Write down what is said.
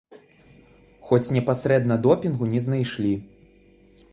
Хоць непасрэдна допінгу не знайшлі.